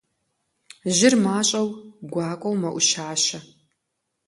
Жьыр мащӀэу, гуакӀуэу мэӀущащэ.